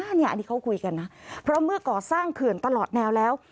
อันนี้เขาคุยกันนะเพราะเมื่อก่อสร้างเขื่อนตลอดแนวแล้ว